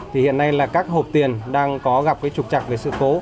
thì hiện nay là các hộp tiền đang có gặp cái trục trặc về sự cố